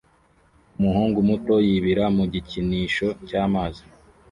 Umuhungu muto yibira mu gikinisho cy'amazi